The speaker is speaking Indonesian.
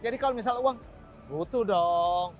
jadi kalau misal uang butuh dong